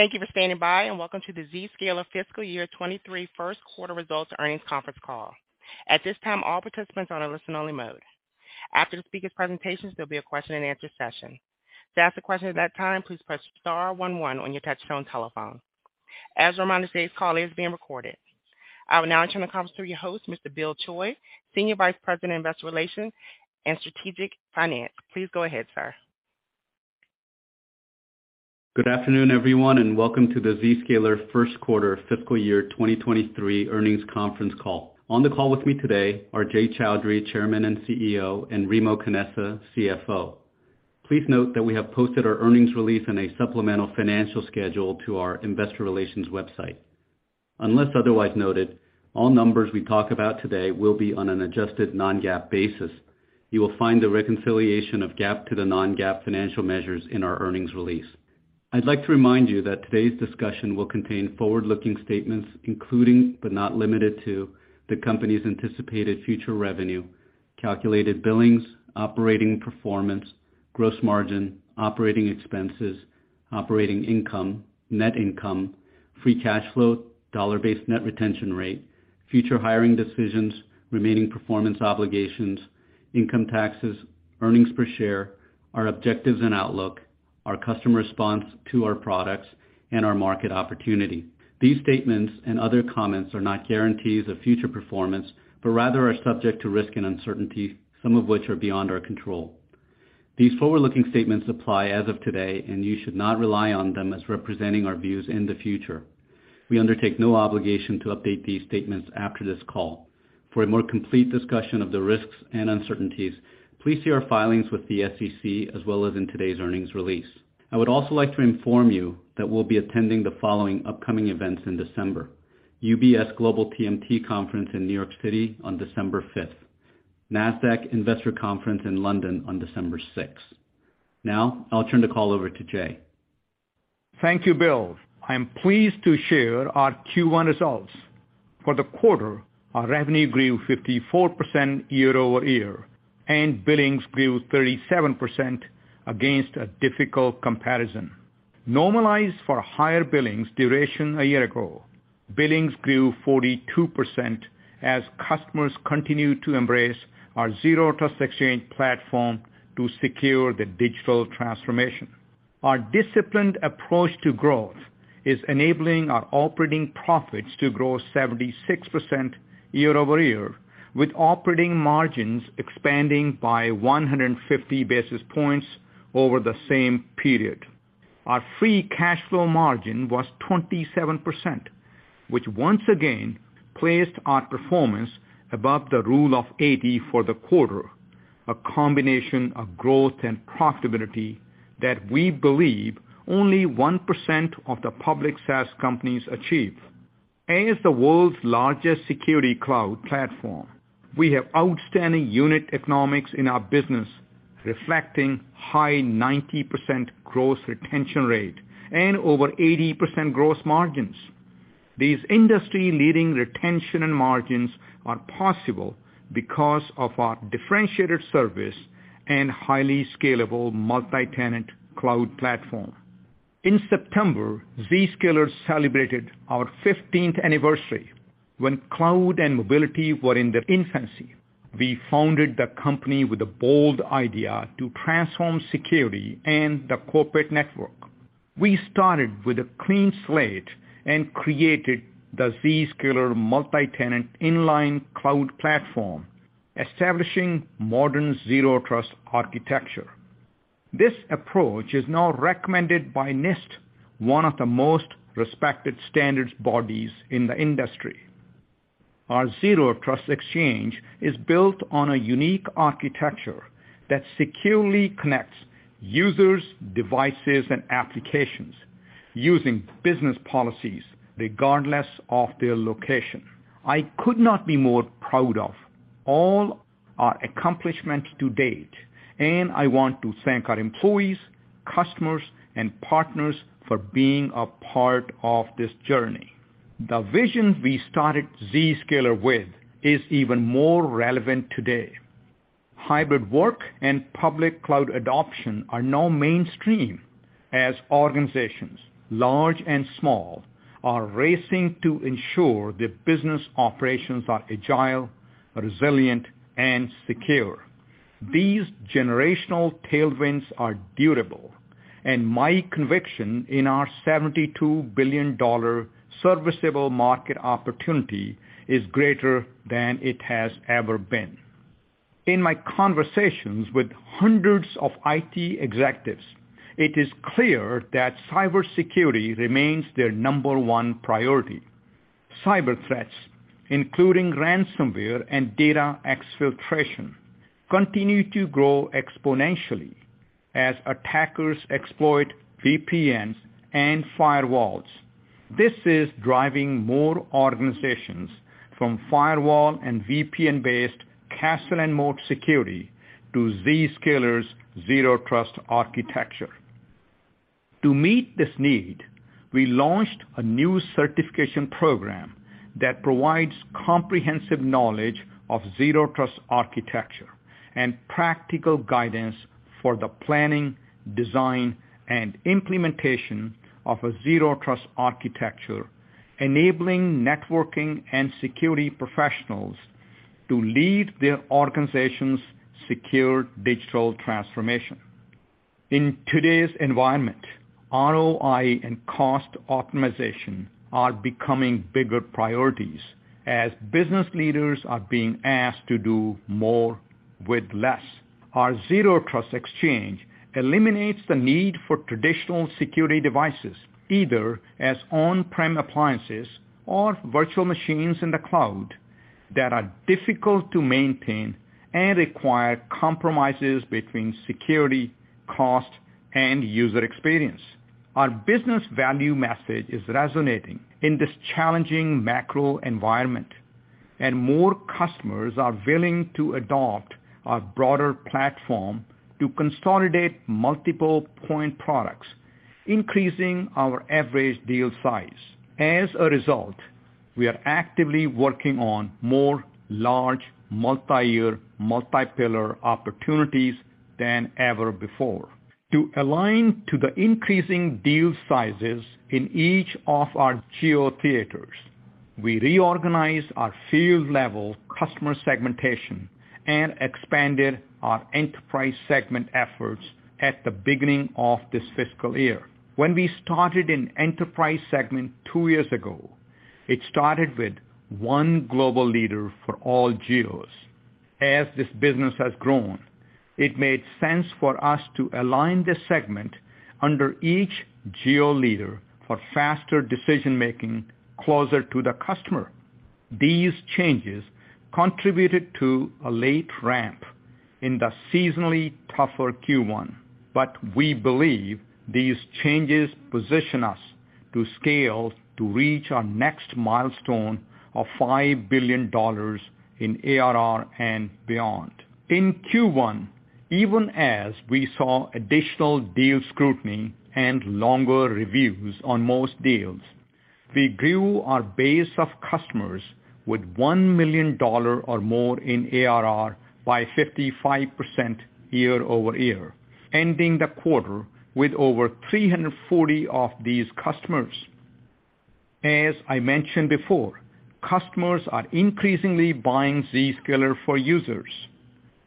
Thank you for standing by, and welcome to the Zscaler Fiscal Year 23 First Quarter Results Earnings Conference Call. At this time, all participants are in a listen only mode. After the speakers' presentations, there'll be a question-and-answer session. To ask a question at that time, please press star one one on your touchtone telephone. As a reminder, today's call is being recorded. I will now turn the conference to your host, Mr. Bill Choi, Senior Vice President, Investor Relations and Strategic Finance. Please go ahead, sir. Good afternoon, everyone, welcome to the Zscaler First Quarter Fiscal Year 2023 earnings conference call. On the call with me today are Jay Chaudhry, Chairman and CEO, and Remo Canessa, CFO. Please note that we have posted our earnings release in a supplemental financial schedule to our investor relations website. Unless otherwise noted, all numbers we talk about today will be on an adjusted non-GAAP basis. You will find the reconciliation of GAAP to the non-GAAP financial measures in our earnings release. I'd like to remind you that today's discussion will contain forward-looking statements, including, but not limited to, the company's anticipated future revenue, calculated billings, operating performance, gross margin, operating expenses, operating income, net income, free cash flow, dollar-based net retention rate, future hiring decisions, remaining performance obligations, income taxes, earnings per share, our objectives and outlook, our customer response to our products, and our market opportunity. These statements and other comments are not guarantees of future performance, but rather are subject to risk and uncertainty, some of which are beyond our control. These forward-looking statements apply as of today, and you should not rely on them as representing our views in the future. We undertake no obligation to update these statements after this call. For a more complete discussion of the risks and uncertainties, please see our filings with the SEC as well as in today's earnings release. I would also like to inform you that we'll be attending the following upcoming events in December: UBS Global TMT Conference in New York City on December 5th. Nasdaq Investor Conference in London on December 6th. I'll turn the call over to Jay. Thank you, Bill. I'm pleased to share our Q1 results. For the quarter, our revenue grew 54% year-over-year. Billings grew 37% against a difficult comparison. Normalized for higher billings duration a year ago, billings grew 42% as customers continued to embrace our Zero Trust Exchange platform to secure the digital transformation. Our disciplined approach to growth is enabling our operating profits to grow 76% year-over-year, with operating margins expanding by 150 basis points over the same period. Our free cash flow margin was 27%, which once again placed our performance above the rule of 80 for the quarter, a combination of growth and profitability that we believe only 1% of the public SaaS companies achieve. As the world's largest security cloud platform, we have outstanding unit economics in our business, reflecting high 90% gross retention rate and over 80% gross margins. These industry-leading retention and margins are possible because of our differentiated service and highly scalable multi-tenant cloud platform. In September, Zscaler celebrated our 15th anniversary. When cloud and mobility were in their infancy, we founded the company with a bold idea to transform security and the corporate network. We started with a clean slate and created the Zscaler multi-tenant inline cloud platform, establishing modern zero trust architecture. This approach is now recommended by NIST, one of the most respected standards bodies in the industry. Our Zero Trust Exchange is built on a unique architecture that securely connects users, devices, and applications using business policies regardless of their location. I could not be more proud of all our accomplishments to date, and I want to thank our employees, customers, and partners for being a part of this journey. The vision we started Zscaler with is even more relevant today. Hybrid work and public cloud adoption are now mainstream as organizations, large and small, are racing to ensure their business operations are agile, resilient, and secure. These generational tailwinds are durable, and my conviction in our $72 billion serviceable market opportunity is greater than it has ever been. In my conversations with hundreds of IT executives, it is clear that cybersecurity remains their number one priority. Cyber threats, including ransomware and data exfiltration, continue to grow exponentially as attackers exploit VPNs and firewalls. This is driving more organizations from firewall and VPN-based castle and moat security to Zscaler's Zero Trust architecture. To meet this need, we launched a new certification program that provides comprehensive knowledge of Zero Trust architecture and practical guidance for the planning, design, and implementation of a Zero Trust architecture, enabling networking and security professionals to lead their organization's secure digital transformation. In today's environment, ROI and cost optimization are becoming bigger priorities as business leaders are being asked to do more with less. Our Zero Trust Exchange eliminates the need for traditional security devices, either as on-prem appliances or virtual machines in the cloud that are difficult to maintain and require compromises between security, cost, and user experience. Our business value message is resonating in this challenging macro environment, and more customers are willing to adopt our broader platform to consolidate multiple point products, increasing our average deal size. As a result, we are actively working on more large multi-year, multi-pillar opportunities than ever before. To align to the increasing deal sizes in each of our geo theaters, we reorganized our field-level customer segmentation and expanded our enterprise segment efforts at the beginning of this fiscal year. When we started an enterprise segment two years ago, it started with one global leader for all geos. As this business has grown, it made sense for us to align the segment under each geo leader for faster decision-making closer to the customer. These changes contributed to a late ramp in the seasonally tougher Q1. We believe these changes position us to scale to reach our next milestone of $5 billion in ARR and beyond. In Q1, even as we saw additional deal scrutiny and longer reviews on most deals, we grew our base of customers with $1 million or more in ARR by 55% year-over-year, ending the quarter with over 340 of these customers. As I mentioned before, customers are increasingly buying Zscaler for Users,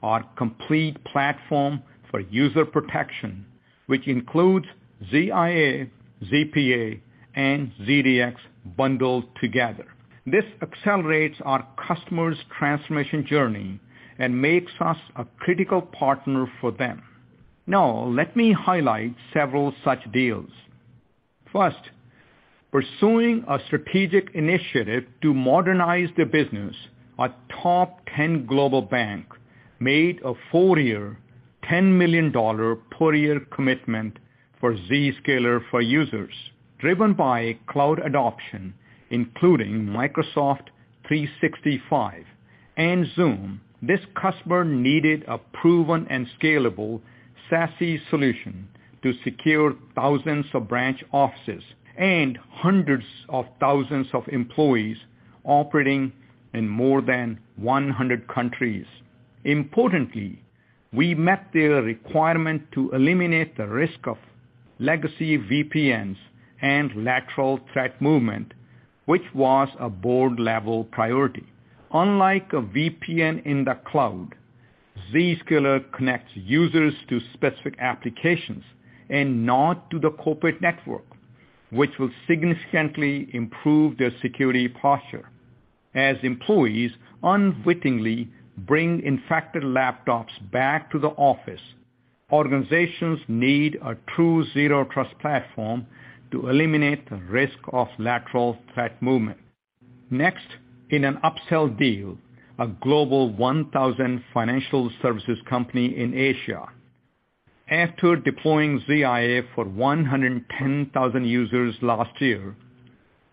our complete platform for user protection, which includes ZIA, ZPA, and ZDX bundled together. This accelerates our customer's transformation journey and makes us a critical partner for them. Let me highlight several such deals. First, pursuing a strategic initiative to modernize their business, a top 10 global bank made a four-year, $10 million per year commitment for Zscaler for Users. Driven by cloud adoption, including Microsoft 365 and Zoom, this customer needed a proven and scalable SASE solution to secure thousands of branch offices and hundreds of thousands of employees operating in more than 100 countries. Importantly, we met their requirement to eliminate the risk of legacy VPNs and lateral threat movement, which was a board-level priority. Unlike a VPN in the cloud, Zscaler connects users to specific applications and not to the corporate network, which will significantly improve their security posture. As employees unwittingly bring infected laptops back to the office, organizations need a true zero trust platform to eliminate the risk of lateral threat movement. In an upsell deal, a Global 1000 financial services company in Asia, after deploying ZIA for 110,000 users last year,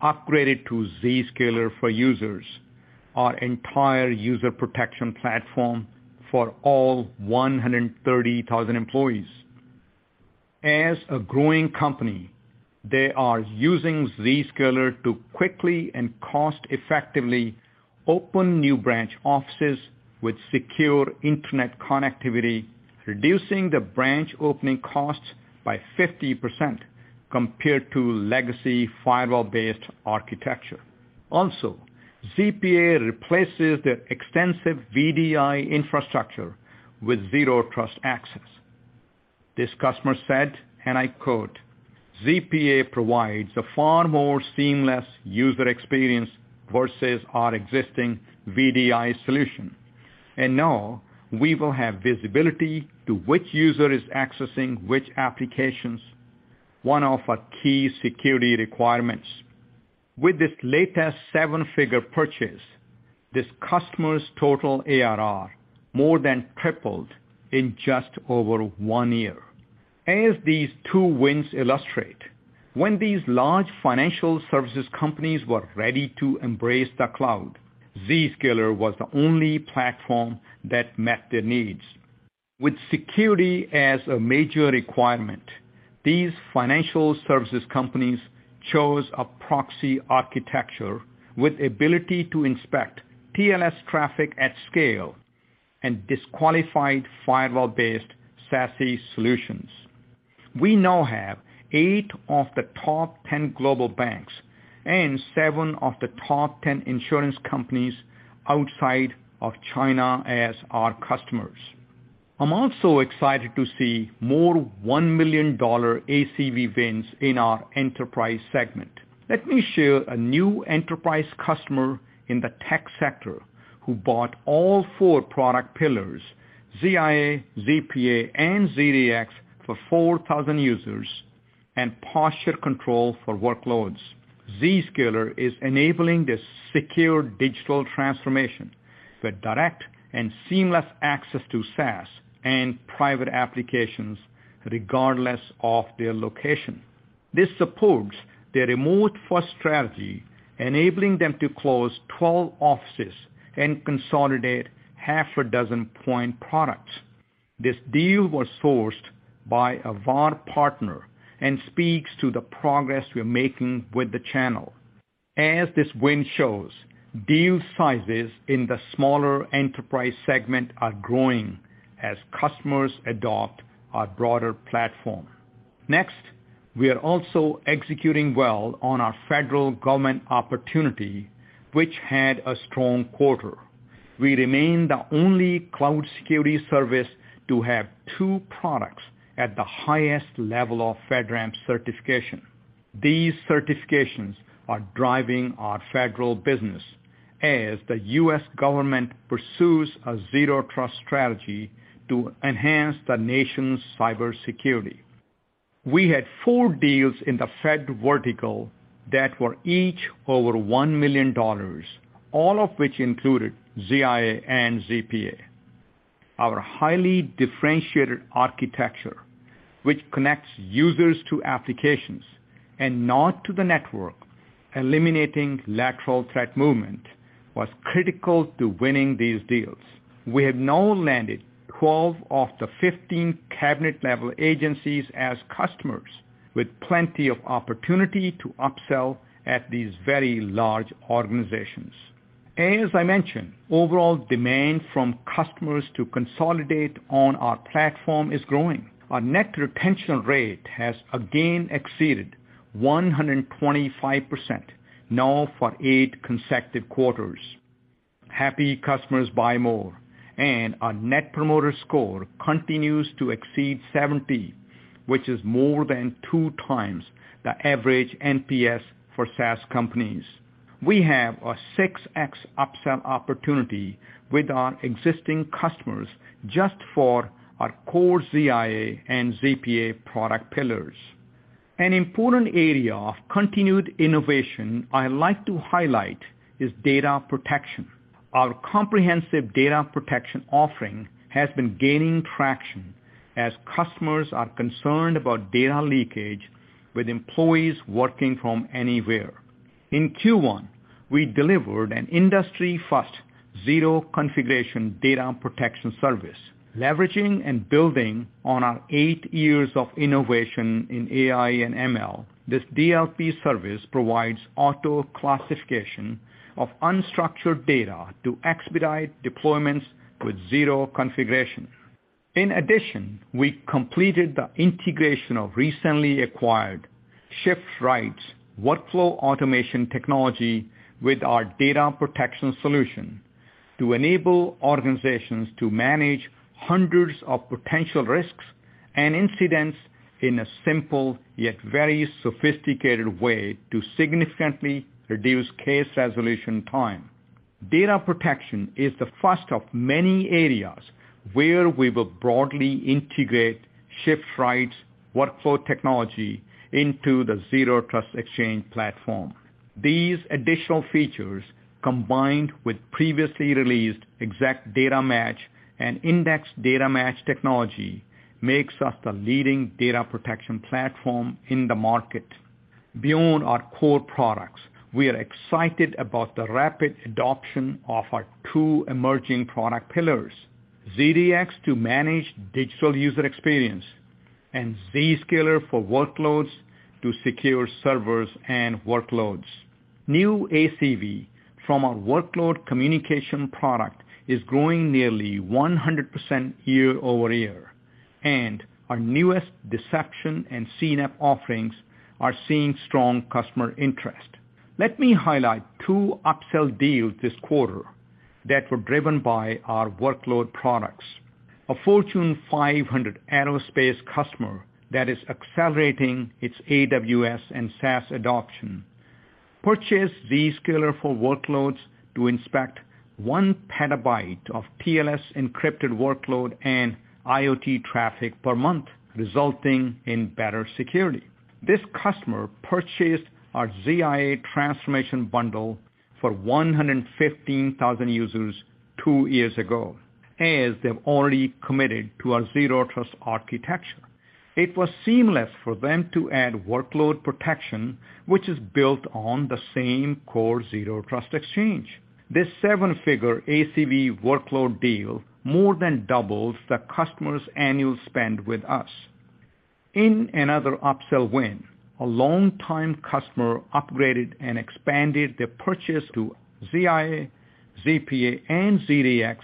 upgraded to Zscaler for Users our entire user protection platform for all 130,000 employees. As a growing company, they are using Zscaler to quickly and cost-effectively open new branch offices with secure internet connectivity, reducing the branch opening costs by 50% compared to legacy firewall-based architecture. Also, ZPA replaces their extensive VDI infrastructure with zero trust access. This customer said, and I quote, "ZPA provides a far more seamless user experience versus our existing VDI solution. Now we will have visibility to which user is accessing which applications, one of our key security requirements." With this latest seven-figure purchase, this customer's total ARR more than tripled in just over one year. As these two wins illustrate, when these large financial services companies were ready to embrace the cloud, Zscaler was the only platform that met their needs. With security as a major requirement, these financial services companies chose a proxy architecture with ability to inspect TLS traffic at scale and disqualified firewall-based SASE solutions. We now have eight of the top 10 global banks and seven of the top 10 insurance companies outside of China as our customers. I'm also excited to see more $1 million ACV wins in our enterprise segment. Let me share a new enterprise customer in the tech sector who bought all four product pillars, ZIA, ZPA, and ZDX for 4,000 users and Posture Control for workloads. Zscaler is enabling this secure digital transformation for direct and seamless access to SaaS and private applications regardless of their location. This supports their remote first strategy, enabling them to close 12 offices and consolidate half a dozen point products. This deal was sourced by a VAR partner and speaks to the progress we are making with the channel. As this win shows, deal sizes in the smaller enterprise segment are growing as customers adopt our broader platform. Next, we are also executing well on our federal government opportunity, which had a strong quarter. We remain the only cloud security service to have two products at the highest level of FedRAMP certification. These certifications are driving our federal business as the U.S. government pursues a Zero Trust strategy to enhance the nation's cybersecurity. We had four deals in the fed vertical that were each over $1 million, all of which included ZIA and ZPA. Our highly differentiated architecture, which connects users to applications and not to the network, eliminating lateral threat movement, was critical to winning these deals. We have now landed 12 of the 15 cabinet-level agencies as customers with plenty of opportunity to upsell at these very large organizations. As I mentioned, overall demand from customers to consolidate on our platform is growing. Our net retention rate has again exceeded 125% now for eight consecutive quarters. Happy customers buy more, and our net promoter score continues to exceed 70, which is more than two times the average NPS for SaaS companies. We have a 6x upsell opportunity with our existing customers just for our core ZIA and ZPA product pillars. An important area of continued innovation I like to highlight is data protection. Our comprehensive data protection offering has been gaining traction as customers are concerned about data leakage with employees working from anywhere. In Q1, we delivered an industry-first zero-configuration data protection service. Leveraging and building on our eight years of innovation in AI and ML, this DLP service provides auto-classification of unstructured data to expedite deployments with zero configuration. In addition, we completed the integration of recently acquired ShiftRight's workflow automation technology with our data protection solution to enable organizations to manage hundreds of potential risks and incidents in a simple yet very sophisticated way to significantly reduce case resolution time. Data protection is the first of many areas where we will broadly integrate ShiftRight's workflow technology into the Zero Trust Exchange platform. These additional features, combined with previously released exact data match and index data match technology, makes us the leading data protection platform in the market. Beyond our core products, we are excited about the rapid adoption of our two emerging product pillars, ZDX to manage digital user experience, and Zscaler for Workloads to secure servers and workloads. New ACV from our workload communication product is growing nearly 100% year-over-year, and our newest deception and CNAPP offerings are seeing strong customer interest. Let me highlight two upsell deals this quarter that were driven by our workload products. A Fortune 500 aerospace customer that is accelerating its AWS and SaaS adoption purchased Zscaler for Workloads to inspect 1 PB of TLS encrypted workload and IoT traffic per month, resulting in better security. This customer purchased our ZIA Transformation Bundle for 115,000 users two years ago, as they've already committed to our Zero Trust architecture. It was seamless for them to add workload protection, which is built on the same core Zero Trust Exchange. This seven-figure ACV workload deal more than doubles the customer's annual spend with us. In another upsell win, a long-time customer upgraded and expanded their purchase to ZIA, ZPA, and ZDX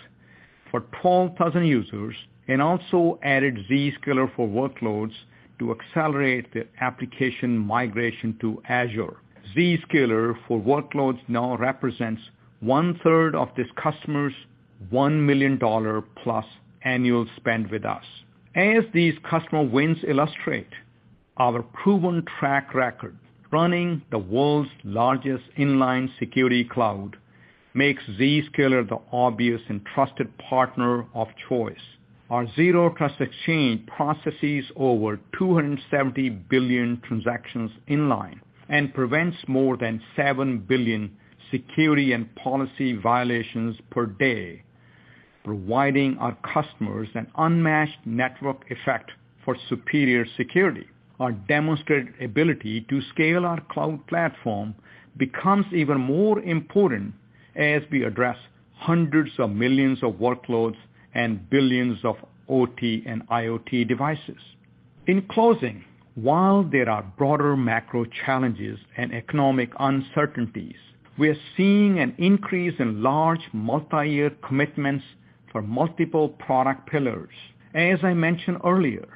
for 12,000 users and also added Zscaler for Workloads to accelerate their application migration to Azure. Zscaler for Workloads now represents one-third of this customer's $1 million-plus annual spend with us. As these customer wins illustrate, our proven track record running the world's largest inline security cloud makes Zscaler the obvious and trusted partner of choice. Our Zero Trust Exchange processes over 270 billion transactions inline and prevents more than 7 billion security and policy violations per day, providing our customers an unmatched network effect for superior security. Our demonstrated ability to scale our cloud platform becomes even more important as we address hundreds of millions of workloads and billions of OT and IoT devices. In closing, while there are broader macro challenges and economic uncertainties, we are seeing an increase in large multi-year commitments for multiple product pillars. I mentioned earlier,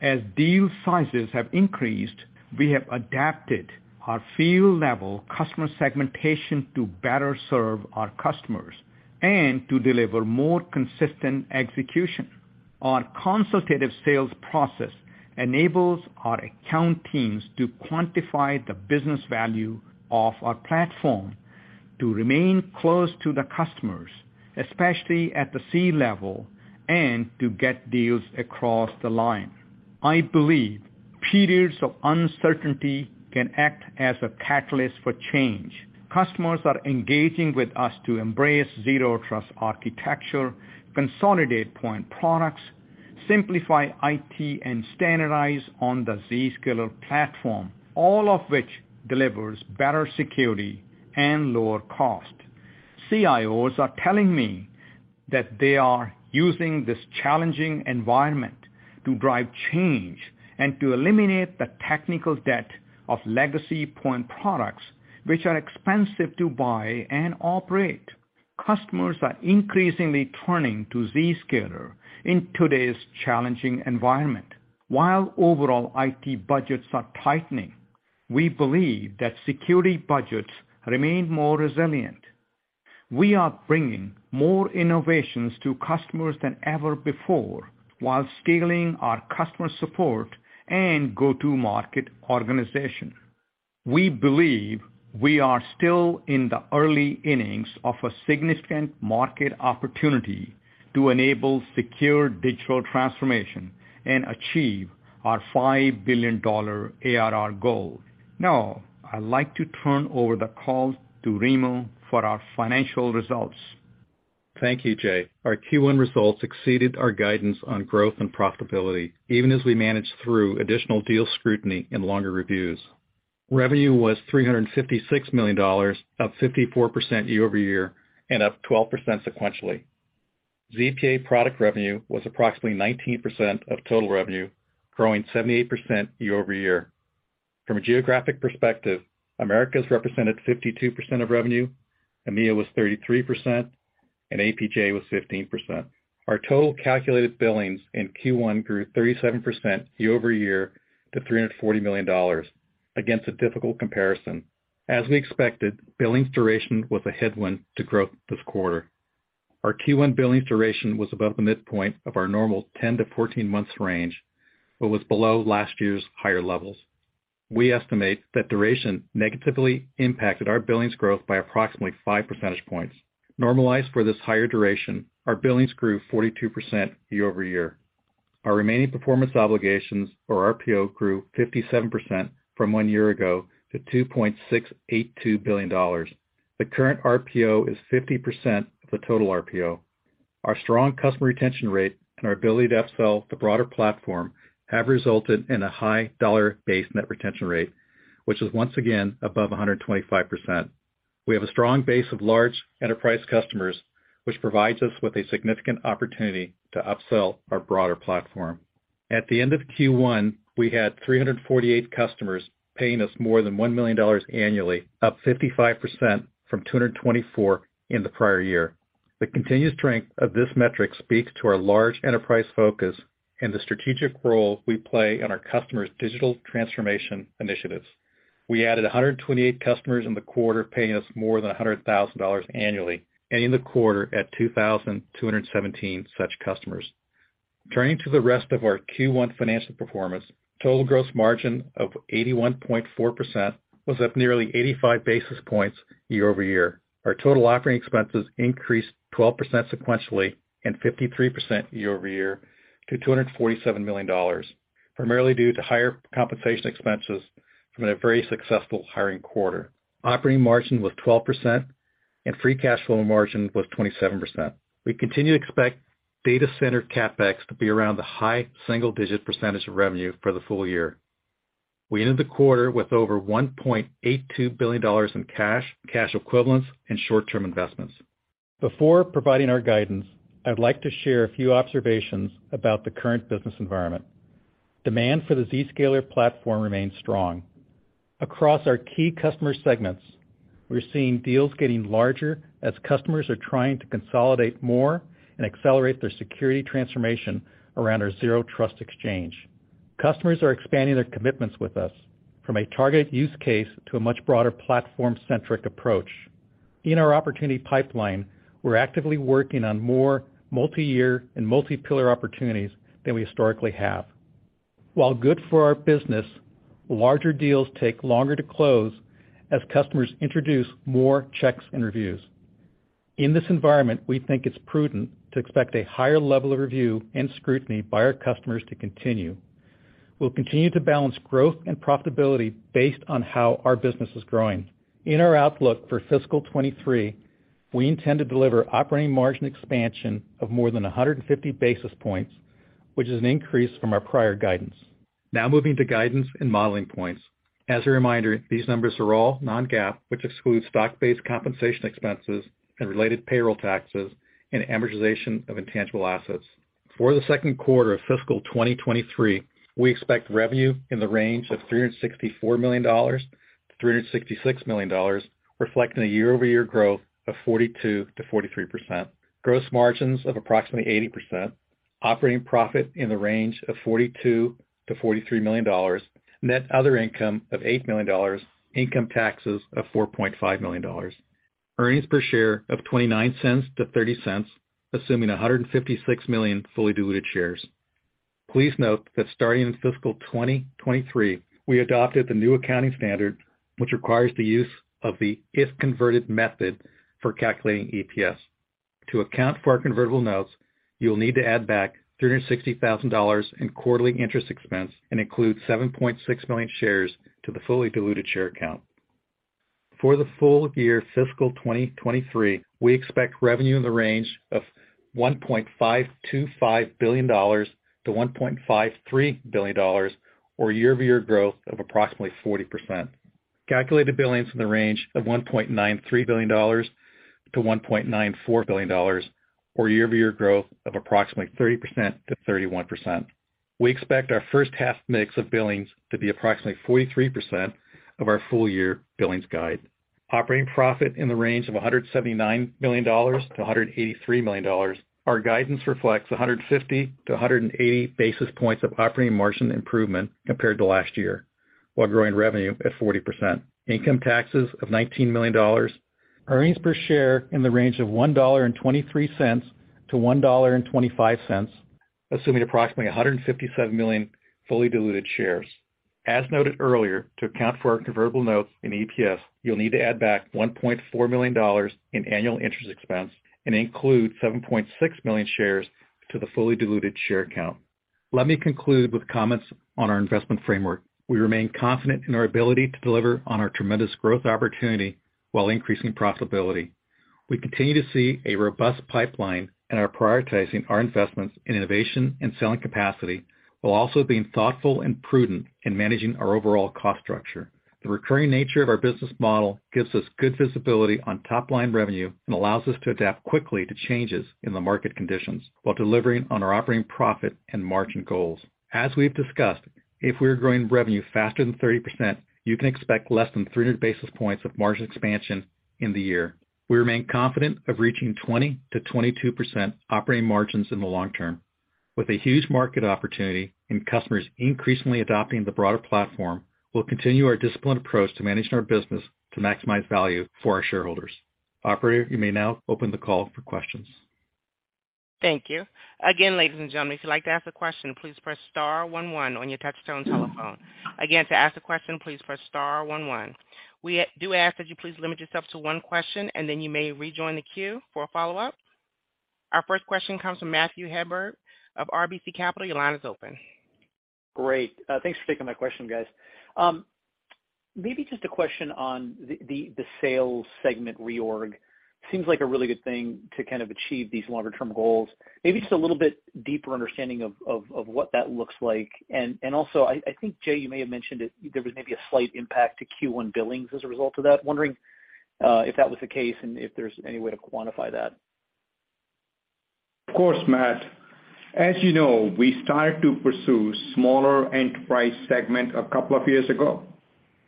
as deal sizes have increased, we have adapted our field-level customer segmentation to better serve our customers and to deliver more consistent execution. Our consultative sales process enables our account teams to quantify the business value of our platform, to remain close to the customers, especially at the C-level, and to get deals across the line. I believe periods of uncertainty can act as a catalyst for change. Customers are engaging with us to embrace zero trust architecture, consolidate point products, simplify IT, and standardize on the Zscaler platform, all of which delivers better security and lower cost. CIOs are telling me that they are using this challenging environment to drive change and to eliminate the technical debt of legacy point products, which are expensive to buy and operate. Customers are increasingly turning to Zscaler in today's challenging environment. While overall IT budgets are tightening, we believe that security budgets remain more resilient. We are bringing more innovations to customers than ever before while scaling our customer support and go-to-market organization. We believe we are still in the early innings of a significant market opportunity to enable secure digital transformation and achieve our $5 billion ARR goal. Now, I'd like to turn over the call to Remo for our financial results. Thank you, Jay. Our Q1 results exceeded our guidance on growth and profitability, even as we managed through additional deal scrutiny and longer reviews. Revenue was $356 million, up 54% year-over-year and up 12% sequentially. ZPA product revenue was approximately 19% of total revenue, growing 78% year-over-year. From a geographic perspective, Americas represented 52% of revenue, EMEA was 33%, and APJ was 15%. Our total calculated billings in Q1 grew 37% year-over-year to $340 million against a difficult comparison. As we expected, billings duration was a headwind to growth this quarter. Our Q1 billings duration was above the midpoint of our normal 10 to 14 months range, but was below last year's higher levels. We estimate that duration negatively impacted our billings growth by approximately five percentage points. Normalized for this higher duration, our billings grew 42% year-over-year. Our remaining performance obligations, or RPO, grew 57% from one year ago to $2.682 billion. The current RPO is 50% of the total RPO. Our strong customer retention rate and our ability to upsell the broader platform have resulted in a high dollar base net retention rate, which is once again above 125%. We have a strong base of large enterprise customers, which provides us with a significant opportunity to upsell our broader platform. At the end of Q1, we had 348 customers paying us more than $1 million annually, up 55% from 224 in the prior year. The continued strength of this metric speaks to our large enterprise focus and the strategic role we play in our customers' digital transformation initiatives. We added 128 customers in the quarter paying us more than $100,000 annually, ending the quarter at 2,217 such customers. Turning to the rest of our Q1 financial performance, total gross margin of 81.4% was up nearly 85 basis points year-over-year. Our total operating expenses increased 12% sequentially and 53% year-over-year to $247 million, primarily due to higher compensation expenses from a very successful hiring quarter. Operating margin was 12%. Free cash flow margin was 27%. We continue to expect data center CapEx to be around the high single-digit percentage of revenue for the full year. We ended the quarter with over $1.82 billion in cash equivalents, and short-term investments. Before providing our guidance, I'd like to share a few observations about the current business environment. Demand for the Zscaler platform remains strong. Across our key customer segments, we're seeing deals getting larger as customers are trying to consolidate more and accelerate their security transformation around our Zero Trust Exchange. Customers are expanding their commitments with us from a targeted use case to a much broader platform-centric approach. In our opportunity pipeline, we're actively working on more multi-year and multi-pillar opportunities than we historically have. While good for our business, larger deals take longer to close as customers introduce more checks and reviews. In this environment, we think it's prudent to expect a higher level of review and scrutiny by our customers to continue. We'll continue to balance growth and profitability based on how our business is growing. In our outlook for fiscal 2023, we intend to deliver operating margin expansion of more than 150 basis points, which is an increase from our prior guidance. Moving to guidance and modeling points. As a reminder, these numbers are all non-GAAP, which excludes stock-based compensation expenses and related payroll taxes and amortization of intangible assets. For the second quarter of fiscal 2023, we expect revenue in the range of $364 million-$366 million, reflecting a year-over-year growth of 42%-43%. Gross margins of approximately 80%. Operating profit in the range of $42 million-$43 million. Net other income of $8 million. Income taxes of $4.5 million. Earnings per share of $0.29-$0.30, assuming 156 million fully diluted shares. Please note that starting in fiscal 2023, we adopted the new accounting standard, which requires the use of the if converted method for calculating EPS. To account for our convertible notes, you'll need to add back $360,000 in quarterly interest expense and include 7.6 million shares to the fully diluted share count. For the full year fiscal 2023, we expect revenue in the range of $1.525 billion-$1.53 billion or year-over-year growth of approximately 40%. Calculated billings in the range of $1.93 billion-$1.94 billion, or year-over-year growth of approximately 30%-31%. We expect our first half mix of billings to be approximately 43% of our full year billings guide. Operating profit in the range of $179 million-$183 million. Our guidance reflects 150 to 180 basis points of operating margin improvement compared to last year, while growing revenue at 40%. Income taxes of $19 million. Earnings per share in the range of $1.23-$1.25, assuming approximately 157 million fully diluted shares. As noted earlier, to account for our convertible notes in EPS, you'll need to add back $1.4 million in annual interest expense and include 7.6 million shares to the fully diluted share count. Let me conclude with comments on our investment framework. We remain confident in our ability to deliver on our tremendous growth opportunity while increasing profitability. We continue to see a robust pipeline and are prioritizing our investments in innovation and selling capacity, while also being thoughtful and prudent in managing our overall cost structure. The recurring nature of our business model gives us good visibility on top line revenue and allows us to adapt quickly to changes in the market conditions while delivering on our operating profit and margin goals. As we've discussed, if we're growing revenue faster than 30%, you can expect less than 300 basis points of margin expansion in the year. We remain confident of reaching 20%-22% operating margins in the long term. With a huge market opportunity and customers increasingly adopting the broader platform, we'll continue our disciplined approach to managing our business to maximize value for our shareholders. Operator, you may now open the call for questions. Thank you. Again, ladies and gentlemen, if you'd like to ask a question, please press star one one on your touchtone telephone. Again, to ask a question, please press star one one. We do ask that you please limit yourself to one question, and then you may rejoin the queue for a follow-up. Our first question comes from Matthew Hedberg of RBC Capital. Your line is open. Great. Thanks for taking my question, guys. Maybe just a question on the sales segment reorg. Seems like a really good thing to kind of achieve these longer term goals. Maybe just a little bit deeper understanding of what that looks like. Also, I think, Jay, you may have mentioned it, there was maybe a slight impact to Q1 billings as a result of that. Wondering if that was the case and if there's any way to quantify that. Of course, Matt. As you know, we started to pursue smaller enterprise segment two years ago.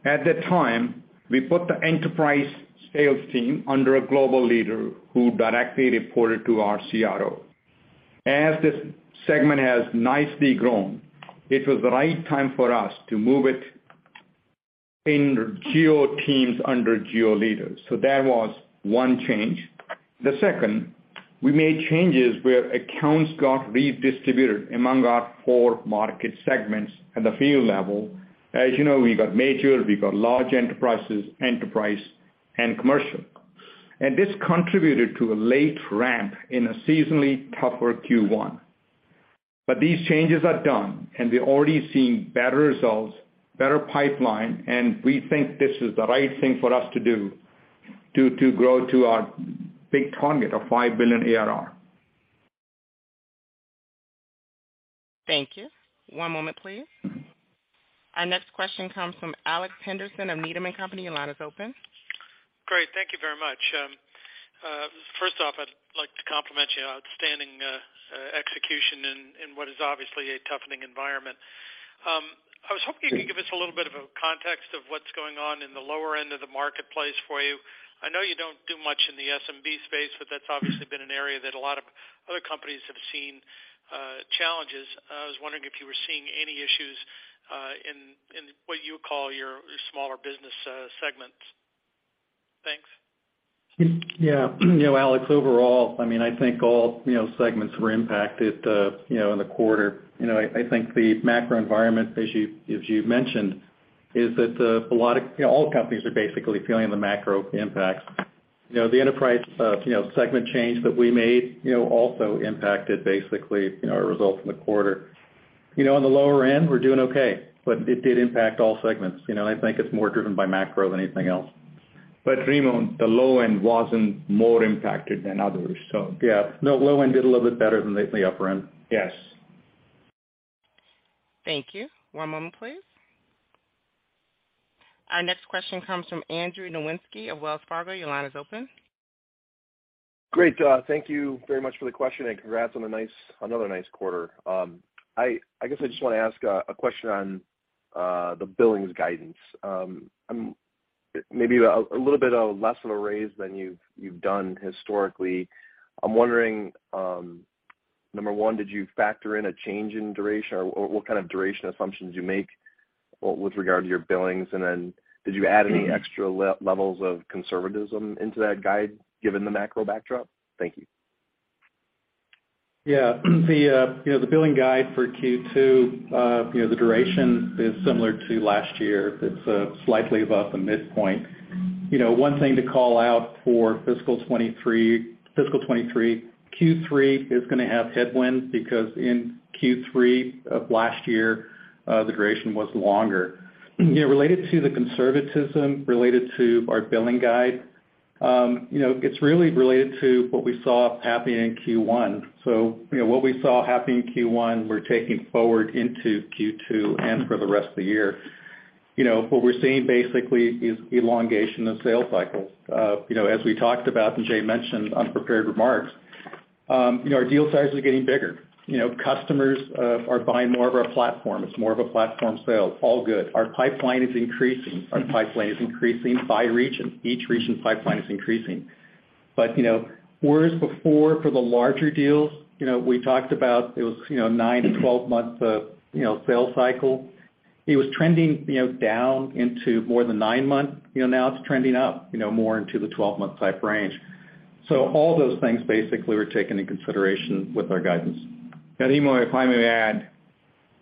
At the time, we put the enterprise sales team under a global leader who directly reported to our CRO. As this segment has nicely grown, it was the right time for us to move it in geo teams under geo leaders. That was one change. The second, we made changes where accounts got redistributed among our four market segments at the field level. As you know, we've got major, we've got large enterprises, enterprise, and commercial. This contributed to a late ramp in a seasonally tougher Q1. These changes are done, and we're already seeing better results, better pipeline, and we think this is the right thing for us to do to grow to our big target of $5 billion ARR. Thank you. One moment, please. Our next question comes from Alex Henderson of Needham & Company. Your line is open. Great. Thank you very much. First off, I'd like to compliment you on outstanding execution in what is obviously a toughening environment. I was hoping you could give us a little bit of a context of what's going on in the lower end of the marketplace for you. I know you don't do much in the SMB space, but that's obviously been an area that a lot of other companies have seen challenges. I was wondering if you were seeing any issues in what you call your smaller business segment? Thanks. You know, Alex, overall, I mean, I think all, you know, segments were impacted, you know, in the quarter. You know, I think the macro environment, as you mentioned, is that, you know, all companies are basically feeling the macro impacts. You know, the enterprise, you know, segment change that we made, you know, also impacted basically, you know, our results in the quarter. You know, on the lower end, we're doing okay. It did impact all segments. You know, I think it's more driven by macro than anything else. Remo, the low end wasn't more impacted than others. Yeah. No, low end did a little bit better than the upper end. Yes. Thank you. One moment, please. Our next question comes from Andrew Nowinski of Wells Fargo. Your line is open. Great. Thank you very much for the question, and congrats on a nice another nice quarter. I guess I just wanna ask a question on the billings guidance. It may be a little bit of less of a raise than you've done historically. I'm wondering, number one, did you factor in a change in duration or what kind of duration assumptions you make with regard to your billings? Did you add any extra levels of conservatism into that guide given the macro backdrop? Thank you. Yeah. The, you know, the billing guide for Q2, you know, the duration is similar to last year. It's slightly above the midpoint. You know, one thing to call out for fiscal '23 Q3 is gonna have headwinds because in Q3 of last year, the duration was longer. You know, related to the conservatism related to our billing guide, you know, it's really related to what we saw happen in Q1. What we saw happen in Q1, we're taking forward into Q2 and for the rest of the year. You know, what we're seeing basically is elongation of sales cycles. You know, as we talked about and Jay mentioned on prepared remarks, you know, our deal size is getting bigger. You know, customers are buying more of our platform. It's more of a platform sale. All good. Our pipeline is increasing. Our pipeline is increasing by region. Each region pipeline is increasing. You know, whereas before for the larger deals, you know, we talked about it was, you know, nine to 12 months of, you know, sales cycle. It was trending, you know, down into more than nine months. You know, now it's trending up, you know, more into the 12-month type range. All those things basically were taken in consideration with our guidance. Remo if I may add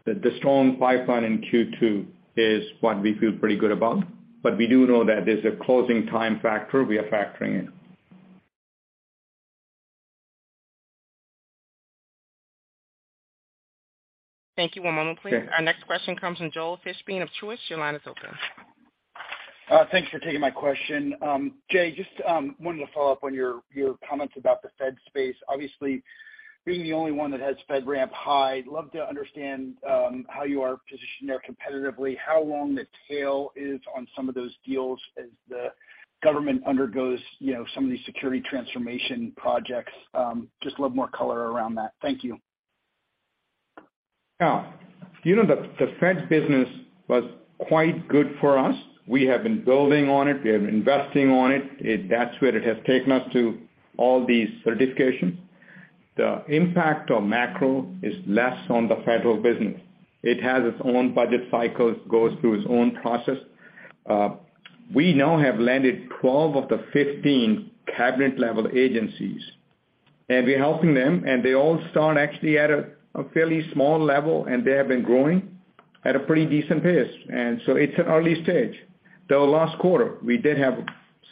that the strong pipeline in Q2 is what we feel pretty good about. We do know that there's a closing time factor we are factoring in. Thank you. One moment, please. Okay. Our next question comes from Joel Fishbein of Truist. Your line is open. Thanks for taking my question. Jay, just wanted to follow up on your comments about the Fed space. Obviously, being the only one that has FedRAMP high, love to understand how you are positioned there competitively, how long the tail is on some of those deals as the government undergoes, you know, some of these security transformation projects. Just love more color around that. Thank you. Yeah. You know, the Fed business was quite good for us. We have been building on it. We have been investing on it. That's where it has taken us to all these certifications. The impact on macro is less on the federal business. It has its own budget cycles, goes through its own process. We now have landed 12 of the 15 cabinet-level agencies, and we're helping them, and they all start actually at a fairly small level, and they have been growing at a pretty decent pace. It's an early stage. Though last quarter, we did have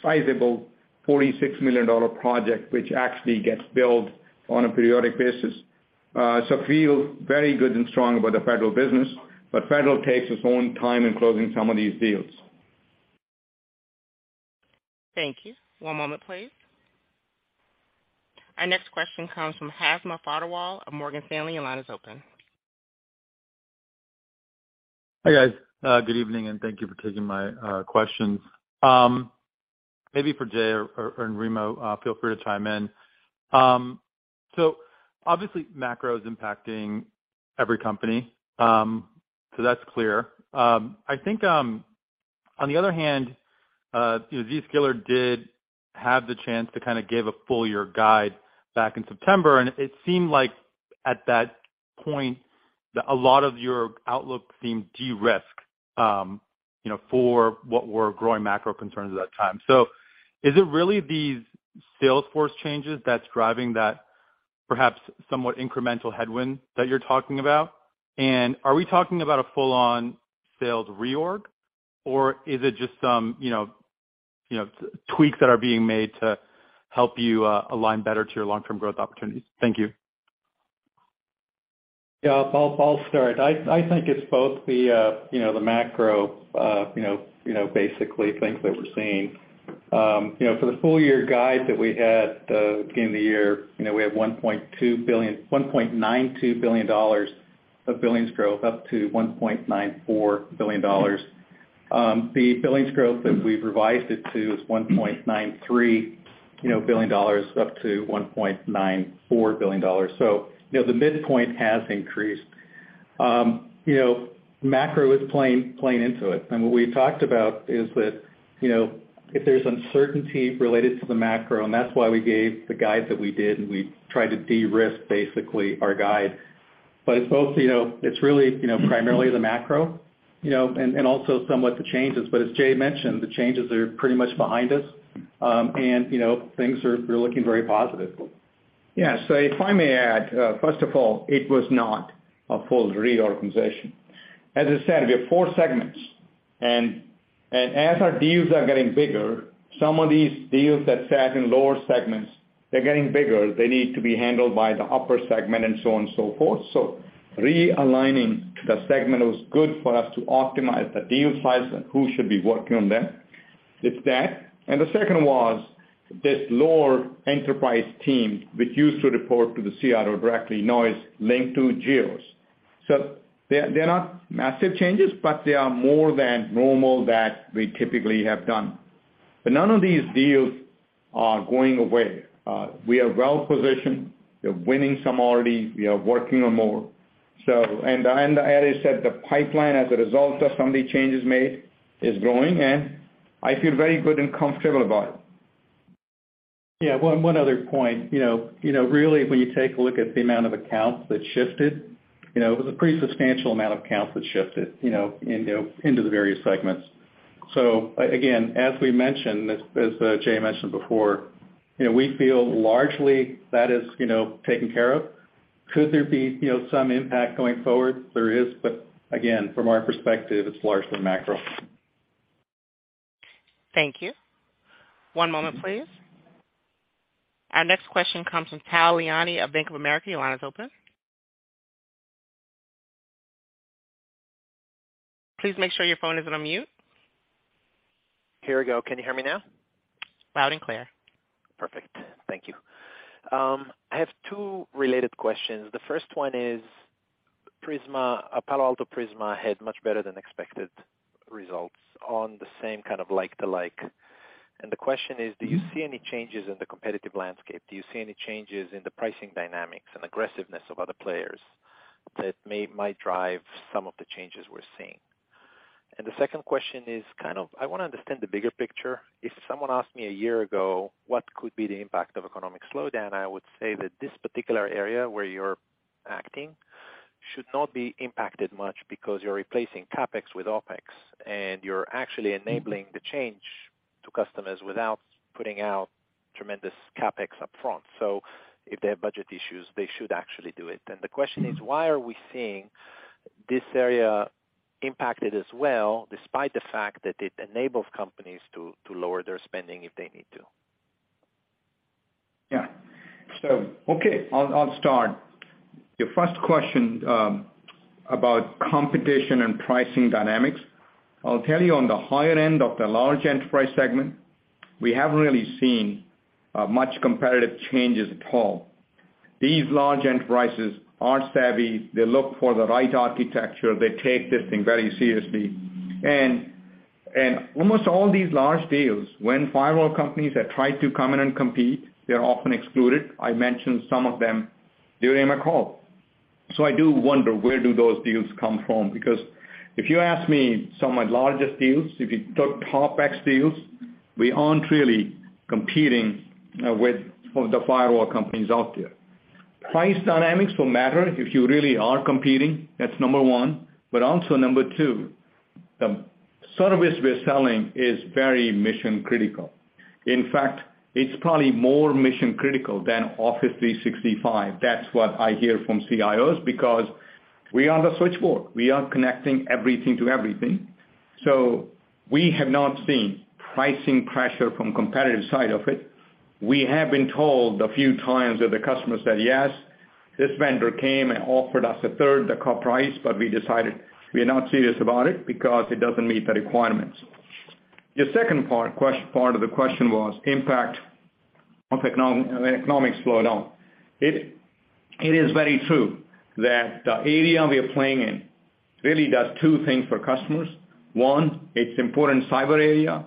sizable $46 million project which actually gets built on a periodic basis. Feel very good and strong about the federal business, but federal takes its own time in closing some of these deals. Thank you. One moment, please. Our next question comes from Hamza Fodderwala of Morgan Stanley. Your line is open. Hi, guys. Good evening, and thank you for taking my questions. Maybe for Jay and Remo, feel free to chime in. Obviously macro is impacting every company, that's clear. I think, on the other hand, you know, Zscaler did have the chance to kinda give a full year guide back in September, and it seemed like at that point that a lot of your outlook seemed de-risked, you know, for what were growing macro concerns at that time. Is it really these sales force changes that's driving that perhaps somewhat incremental headwind that you're talking about? Are we talking about a full on sales reorg, or is it just some, you know? You know, tweaks that are being made to help you align better to your long-term growth opportunities. Thank you. Yeah, I'll start. I think it's both the, you know, the macro, you know, basically things that we're seeing. You know, for the full year guide that we had, at the beginning of the year, you know, we have $1.92 billion of billings growth, up to $1.94 billion. The billings growth that we've revised it to is $1.93 billion, up to $1.94 billion. You know, the midpoint has increased. You know, macro is playing into it, and what we talked about is that, you know, if there's uncertainty related to the macro, and that's why we gave the guide that we did, and we tried to de-risk basically our guide. It's both, you know, it's really, you know, primarily the macro, you know, and also somewhat the changes. As Jay mentioned, the changes are pretty much behind us. You know, things are looking very positive. Yeah. If I may add, first of all, it was not a full reorganization. As I said, we have four segments and as our deals are getting bigger, some of these deals that sat in lower segments, they're getting bigger. They need to be handled by the upper segment and so on and so forth. Realigning the segment was good for us to optimize the deal size and who should be working on them. It's that. The second was this lower enterprise team, which used to report to the CRO directly, now is linked to geos. They're not massive changes, but they are more than normal that we typically have done. None of these deals are going away. We are well positioned. We're winning some already. We are working on more. As I said, the pipeline as a result of some of the changes made is growing, and I feel very good and comfortable about it. Yeah. One other point. You know, really when you take a look at the amount of accounts that shifted, you know, it was a pretty substantial amount of accounts that shifted, you know, into the various segments. Again, as we mentioned, as Jay mentioned before, you know, we feel largely that is, you know, taken care of. Could there be, you know, some impact going forward? There is, but again, from our perspective, it's largely macro. Thank you. One moment, please. Our next question comes from Tal Liani of Bank of America. Your line is open. Please make sure your phone isn't on mute. Here we go. Can you hear me now? Loud and clear. Perfect. Thank you. I have two related questions. The first one is Prisma, Palo Alto Prisma had much better than expected results on the same kind of like to like. The question is, do you see any changes in the competitive landscape? Do you see any changes in the pricing dynamics and aggressiveness of other players that might drive some of the changes we're seeing? The second question is kind of, I wanna understand the bigger picture. If someone asked me a year ago what could be the impact of economic slowdown, I would say that this particular area where you're acting should not be impacted much because you're replacing CapEx with OpEx, and you're actually enabling the change to customers without putting out tremendous CapEx up front. If they have budget issues, they should actually do it. The question is, why are we seeing this area impacted as well, despite the fact that it enables companies to lower their spending if they need to? I'll start. Your first question about competition and pricing dynamics. I'll tell you on the higher end of the large enterprise segment, we haven't really seen much competitive changes at all. These large enterprises are savvy. They look for the right architecture. They take this thing very seriously. And almost all these large deals, when firewall companies have tried to come in and compete, they're often excluded. I mentioned some of them during my call. I do wonder, where do those deals come from? Because if you ask me some of my largest deals, if you took top X deals, we aren't really competing with some of the firewall companies out there. Price dynamics will matter if you really are competing, that's number one. Also number two, the service we're selling is very mission critical. In fact, it's probably more mission critical than Office 365. That's what I hear from CIOs, because we are the switchboard. We are connecting everything to everything. We have not seen pricing pressure from competitive side of it. We have been told a few times that the customer said, "Yes, this vendor came and offered us a third the current price, but we decided we are not serious about it because it doesn't meet the requirements." Your second part of the question was impact of economics slowdown. It is very true that the area we are playing in really does two things for customers. One, it's important cyber area.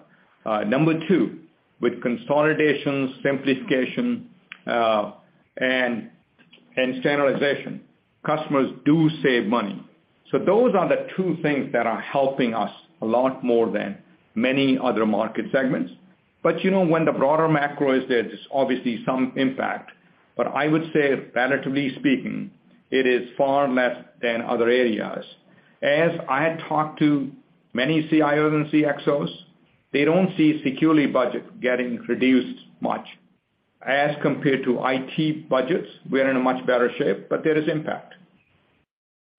Number two, with consolidation, simplification, and standardization, customers do save money. Those are the two things that are helping us a lot more than many other market segments. You know, when the broader macro is there's obviously some impact. I would say relatively speaking, it is far less than other areas. As I had talked to many CIOs and CXOs, they don't see security budget getting reduced much. As compared to IT budgets, we are in a much better shape, but there is impact.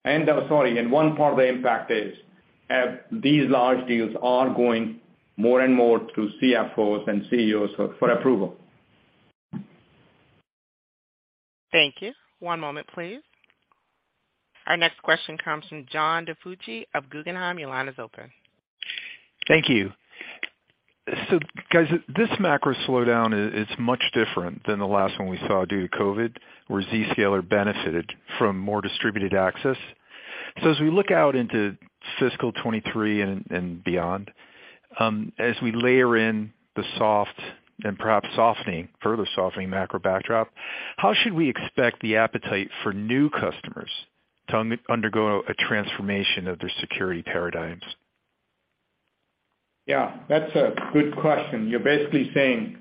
I'm sorry, and one part of the impact is these large deals are going more and more through CFOs and CEOs for approval. Thank you. One moment, please. Our next question comes from John DiFucci of Guggenheim. Your line is open. Thank you. Guys, this macro slowdown is much different than the last one we saw due to COVID, where Zscaler benefited from more distributed access. As we look out into fiscal 23 and beyond, as we layer in the soft and perhaps softening, further softening macro backdrop, how should we expect the appetite for new customers to undergo a transformation of their security paradigms? Yeah, that's a good question. You're basically saying,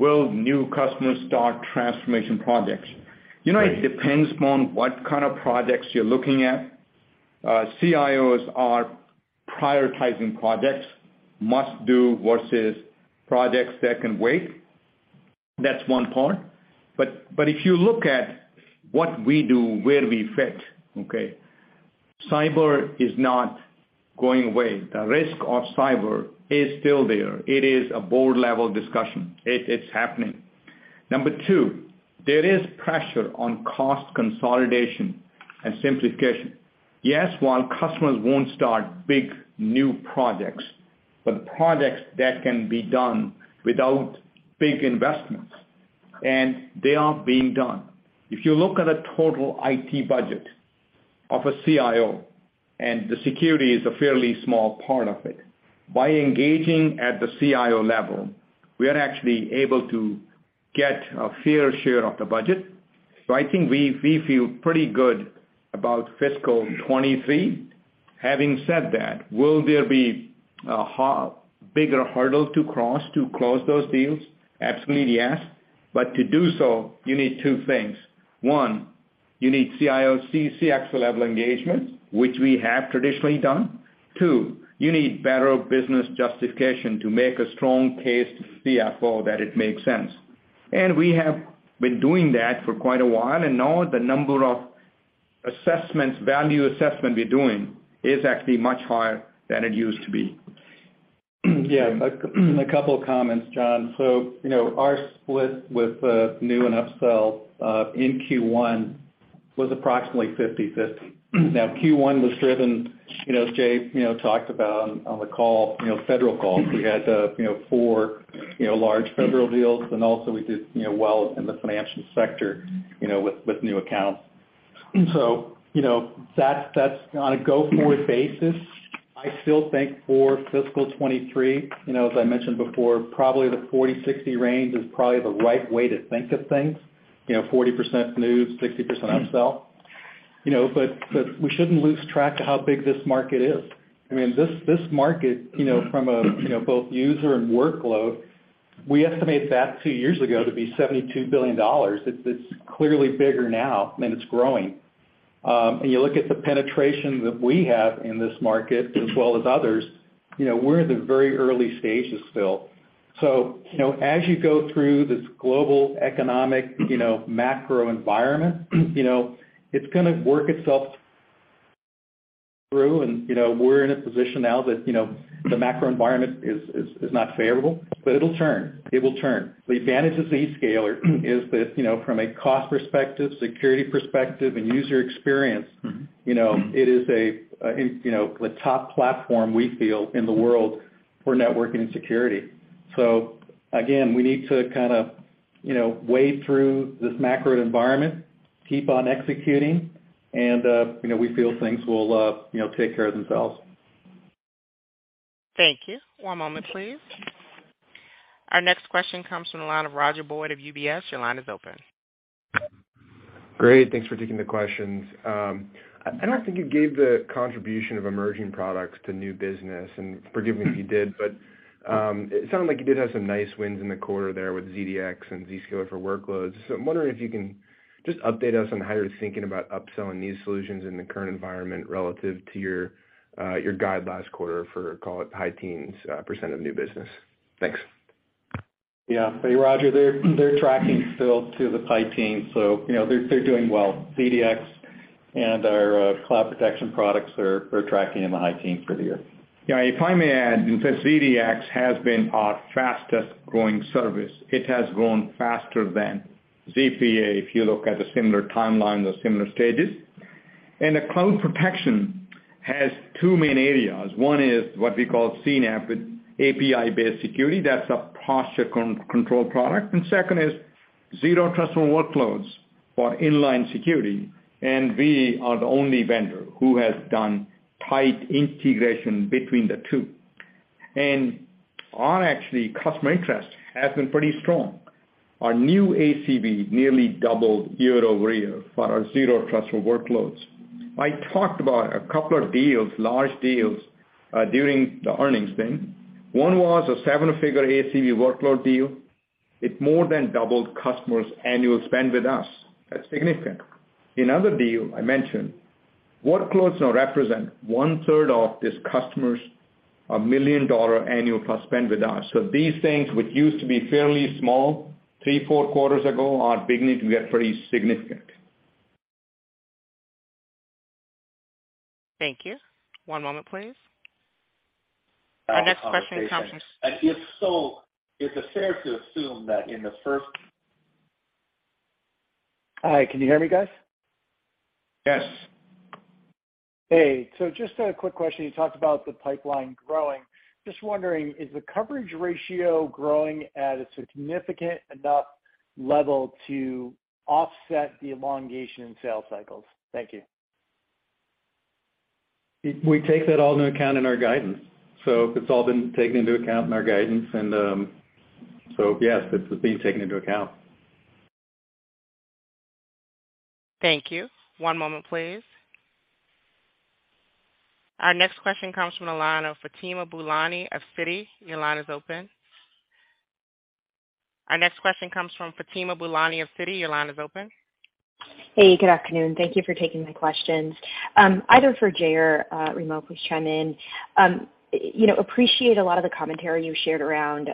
will new customers start transformation projects? Right. You know, it depends upon what kind of projects you're looking at. CIOs are prioritizing projects, must do versus projects that can wait. That's one part. If you look at what we do, where we fit, okay? Cyber is not going away. The risk of cyber is still there. It is a board-level discussion. It's happening. Number two, there is pressure on cost consolidation and simplification. Yes, while customers won't start big new projects, but projects that can be done without big investments, and they are being done. If you look at a total IT budget of a CIO, and the security is a fairly small part of it, by engaging at the CIO level, we are actually able to get a fair share of the budget. I think we feel pretty good about fiscal 23. Having said that, will there be a bigger hurdle to cross to close those deals? Absolutely, yes. To do so, you need two things. One, you need CIO, CXO level engagement, which we have traditionally done. Two, you need better business justification to make a strong case to CFO that it makes sense. We have been doing that for quite a while, and now the number of assessments, value assessment we're doing is actually much higher than it used to be. Yeah. A couple of comments, John. Our split with new and upsell in Q1 was approximately 50/50. Q1 was driven, you know, as Jay, you know, talked about on the call, you know, federal calls. We had, you know, four large federal deals, and also we did, you know, well in the financial sector, you know, with new accounts. That's on a go-forward basis, I still think for fiscal 2023, you know, as I mentioned before, probably the 40/60 range is probably the right way to think of things. You know, 40% new, 60% upsell. You know, we shouldn't lose track of how big this market is. I mean, this market, you know, from a, you know, both user and workload, we estimate that two years ago to be $72 billion. It's clearly bigger now, and it's growing. You look at the penetration that we have in this market as well as others, you know, we're in the very early stages still. You know, as you go through this global economic, you know, macro environment, you know, it's gonna work itself through and, you know, we're in a position now that, you know, the macro environment is not favorable, but it'll turn. It will turn. The advantage of Zscaler is that, you know, from a cost perspective, security perspective and user experience. Mm-hmm. You know, it is a, you know, the top platform we feel in the world for networking security. Again, we need to kinda, you know, wade through this macro environment, keep on executing and, you know, we feel things will, you know, take care of themselves. Thank you. One moment, please. Our next question comes from the line of Roger Boyd of UBS. Your line is open. Great. Thanks for taking the questions. I don't think you gave the contribution of emerging products to new business. Forgive me if you did, but it sounded like you did have some nice wins in the quarter there with ZDX and Zscaler for Workloads. I'm wondering if you can just update us on how you're thinking about upselling these solutions in the current environment relative to your guide last quarter for, call it, high teens % of new business. Thanks. Yeah. Roger, they're tracking still to the high teens, so you know, they're doing well. ZDX and our cloud protection products are tracking in the high teens for the year. Yeah, if I may add, because ZDX has been our fastest growing service. It has grown faster than ZPA, if you look at the similar timelines or similar stages. The cloud protection has two main areas. One is what we call CNAPP, API-based security. That's a Posture Control product. Second is zero trust workloads for inline security. We are the only vendor who has done tight integration between the two. Our actually customer interest has been pretty strong. Our new ACV nearly doubled year-over-year for our zero trust workloads. I talked about a couple of deals, large deals, during the earnings thing. One was a seven-figure ACV workload deal. It more than doubled customers' annual spend with us. That's significant. In other deal I mentioned, workloads now represent one-third of this customer's a $1 million annual plus spend with us. These things, which used to be fairly small three, four quarters ago, are beginning to get pretty significant. Thank you. One moment, please. Our next question comes from. If so, is it fair to assume that in the first. Hi, can you hear me, guys? Yes. Hey. Just a quick question. You talked about the pipeline growing. Just wondering, is the coverage ratio growing at a significant enough level to offset the elongation in sales cycles? Thank you. We take that all into account in our guidance. It's all been taken into account in our guidance and, yes, it's being taken into account. Thank you. One moment, please. Our next question comes from the line of Fatima Boolani of Citi. Your line is open. Hey, good afternoon. Thank you for taking my questions. either for Jay or Remo, please chime in. you know, appreciate a lot of the commentary you shared around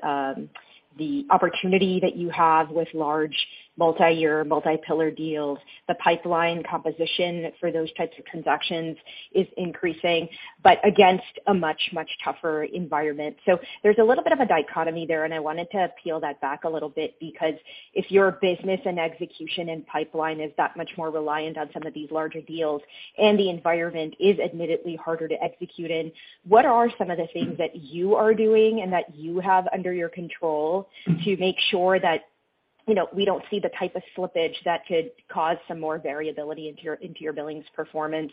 the opportunity that you have with large multi-year, multi-pillar deals. The pipeline composition for those types of transactions is increasing, but against a much, much tougher environment. There's a little bit of a dichotomy there, and I wanted to peel that back a little bit, because if your business and execution and pipeline is that much more reliant on some of these larger deals and the environment is admittedly harder to execute in, what are some of the things that you are doing and that you have under your control to make sure that, you know, we don't see the type of slippage that could cause some more variability into your, into your billings performance?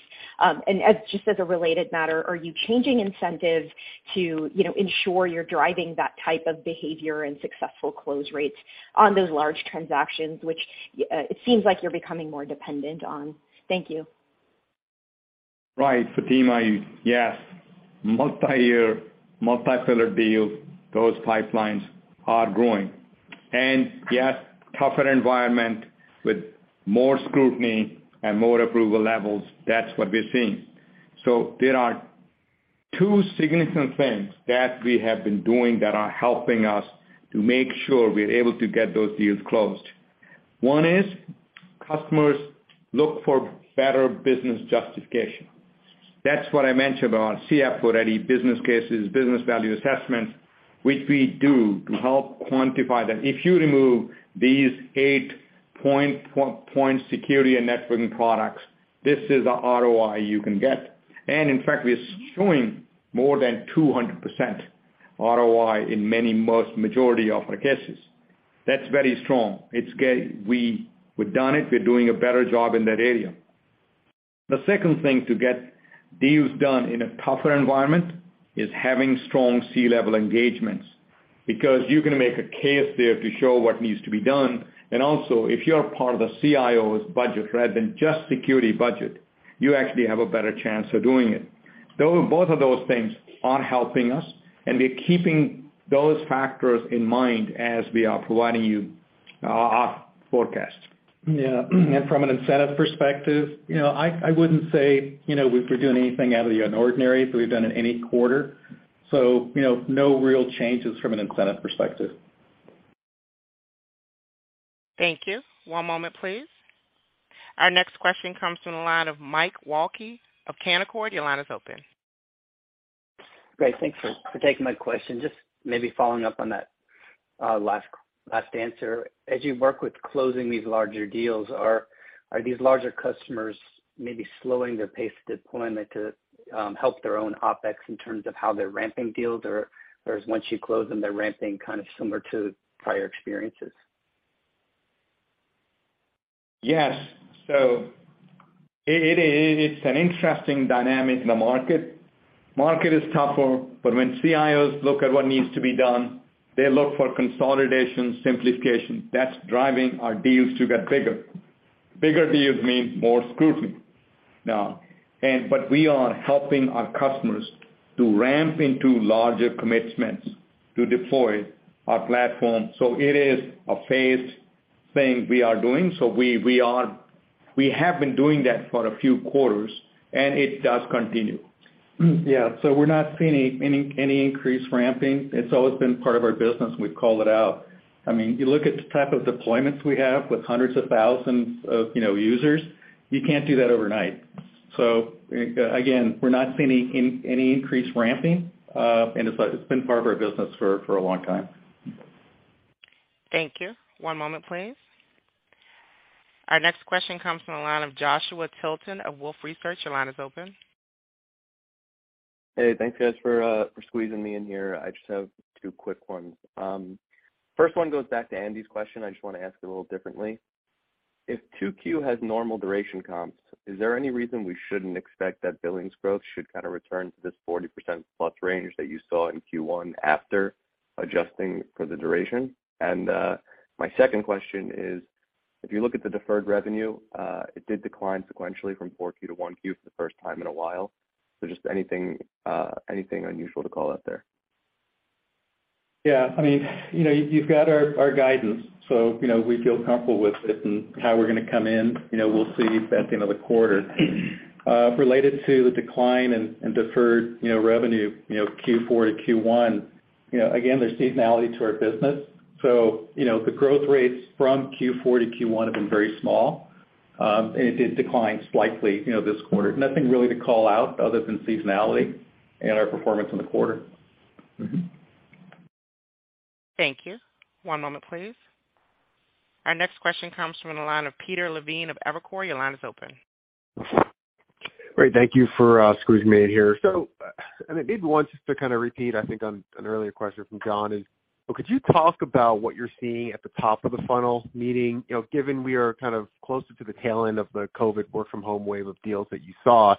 Just as a related matter, are you changing incentives to, you know, ensure you're driving that type of behavior and successful close rates on those large transactions, which it seems like you're becoming more dependent on? Thank you. Right. Fatima, yes, multi-year, multi-pillar deals, those pipelines are growing. Yes, tougher environment with more scrutiny and more approval levels. That's what we're seeing. There are two significant things that we have been doing that are helping us to make sure we're able to get those deals closed. One is customers look for better business justification. That's what I mentioned about CFO-ready business cases, business value assessments, which we do to help quantify that. If you remove these eight point security and networking products, this is the ROI you can get. In fact, we're showing more than 200% ROI in many, most majority of our cases. That's very strong. It's we've done it. We're doing a better job in that area. The second thing to get deals done in a tougher environment is having strong C-level engagements, because you can make a case there to show what needs to be done. Also, if you're part of the CIO's budget rather than just security budget, you actually have a better chance of doing it. Both of those things are helping us, and we're keeping those factors in mind as we are providing you our forecast. Yeah. From an incentive perspective, you know, I wouldn't say, you know, we're doing anything out of the ordinary that we've done in any quarter. You know, no real changes from an incentive perspective. Thank you. One moment, please. Our next question comes from the line of Mike Walkley of Canaccord. Your line is open. Great. Thanks for taking my question. Just maybe following up on that last answer. As you work with closing these larger deals, are these larger customers maybe slowing their pace of deployment to help their own OpEx in terms of how they're ramping deals? Or is once you close them, they're ramping kind of similar to prior experiences? Yes. It is, it's an interesting dynamic in the market. Market is tougher, but when CIOs look at what needs to be done, they look for consolidation, simplification. That's driving our deals to get bigger. Bigger deals mean more scrutiny. We are helping our customers to ramp into larger commitments to deploy our platform. It is a phased thing we are doing. We have been doing that for a few quarters, and it does continue. Yeah. We're not seeing any increased ramping. It's always been part of our business. We've called it out. I mean, you look at the type of deployments we have with hundreds of thousands of, you know, users, you can't do that overnight. Again, we're not seeing any increased ramping. It's like, it's been part of our business for a long time. Thank you. One moment, please. Our next question comes from the line of Joshua Tilton of Wolfe Research. Your line is open. Hey, thanks, guys, for squeezing me in here. I just have two quick ones. First one goes back to Andy's question, I just wanna ask it a little differently. If 2Q has normal duration comps, is there any reason we shouldn't expect that billings growth should kinda return to this 40% plus range that you saw in Q1 after adjusting for the duration? My second question is, if you look at the deferred revenue, it did decline sequentially from 4Q to 1Q for the first time in a while. Just anything unusual to call out there? Yeah, I mean, you know, you've got our guidance, so, you know, we feel comfortable with it and how we're gonna come in. You know, we'll see at the end of the quarter. Related to the decline in deferred, you know, revenue, you know, Q4 to Q1, you know, again, there's seasonality to our business. You know, the growth rates from Q4 to Q1 have been very small, and it did decline slightly, you know, this quarter. Nothing really to call out other than seasonality and our performance in the quarter. Thank you. One moment, please. Our next question comes from the line of Peter Levine of Evercore. Your line is open. Great. Thank you for squeezing me in here. And I did want just to kind of repeat, I think on an earlier question from John, is could you talk about what you're seeing at the top of the funnel, meaning, you know, given we are kind of closer to the tail end of the COVID work from home wave of deals that you saw,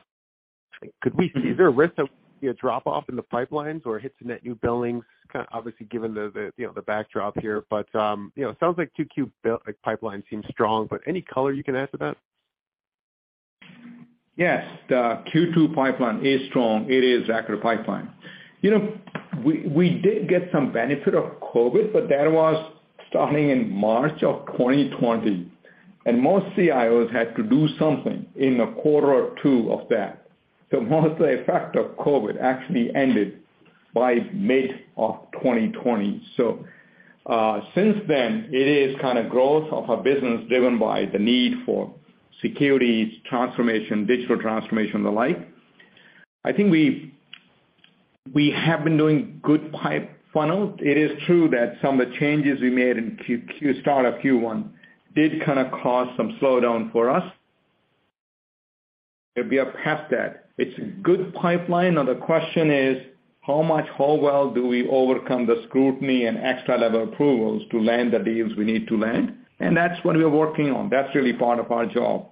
is there a risk of, you know, drop off in the pipelines or hits in net new billings, kind of, obviously, given the, you know, the backdrop here, you know, sounds like Q2 pipeline seems strong, any color you can add to that? Yes. The Q2 pipeline is strong. It is accurate pipeline. You know, we did get some benefit of COVID, but that was starting in March of 2020, and most CIOs had to do something in a quarter or two of that. Most of the effect of COVID actually ended by mid of 2020. Since then, it is kind of growth of a business driven by the need for securities transformation, digital transformation, and the like. I think we have been doing good pipe funnel. It is true that some of the changes we made in start of Q1 did kind of cause some slowdown for us. We are past that. It's a good pipeline. Now the question is how much, how well do we overcome the scrutiny and extra level approvals to land the deals we need to land? That's what we're working on. That's really part of our job.